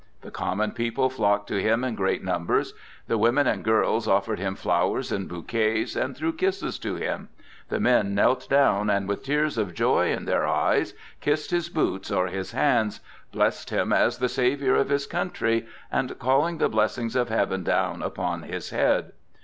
The common people flocked to him in great numbers; the women and girls offered him flowers and bouquets, and threw kisses to him; the men knelt down and, with tears of joy in their eyes, kissed his boots or his hands, blessing him as the savior of his country, and calling the blessings of Heaven down upon his head.